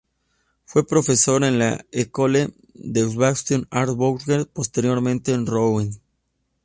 Fue profesor en la Ecole des Beaux-Arts de Bourges, posteriormente en Rouen.